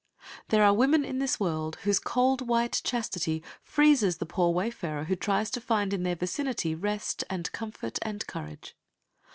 There are women in this world whose cold white chastity freezes the poor wayfarer who tries to find in their vicinity rest and comfort and courage.